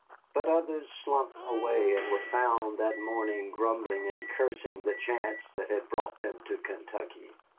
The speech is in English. But others slunk away, and were found that morning grumbling and cursing the chance that had brought them to Kentucky.